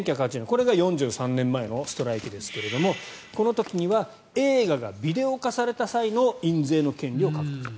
これが４３年前のストライキですがこの時には映画がビデオ化された際の印税の権利を獲得した。